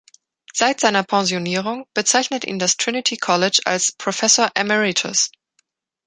Seit seiner Pensionierung bezeichnet ihn das Trinity College als „Professor Emeritus“ .